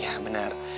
nah iya bener